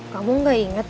kamu gak inget